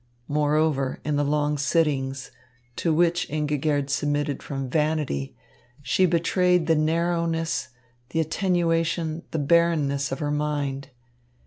Moreover, in the long sittings, to which Ingigerd submitted from vanity, she betrayed the narrowness, the attenuation, the barrenness of her mind.